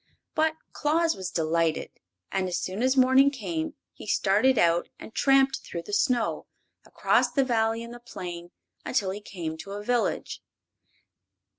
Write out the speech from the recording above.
But Claus was delighted, and as soon as morning came he started out and tramped through the snow, across the Valley and the plain, until he came to a village.